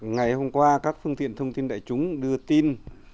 ngày hôm qua các phương tiện thông tin đại chúng đưa tin